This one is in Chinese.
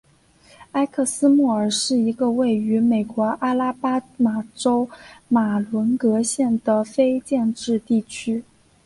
埃克斯莫尔是一个位于美国阿拉巴马州马伦戈县的非建制地区。